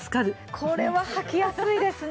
これははきやすいですね。